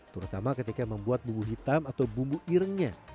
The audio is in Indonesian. terutama ketika membuat bubuk hitam atau bubuk irngnya